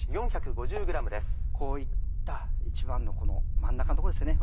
こういった一番の真ん中のとこですね